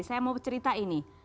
saya mau cerita ini